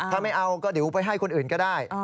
ถ้าไม่เอาก็เดี๋ยวไปให้คนอื่นก็ได้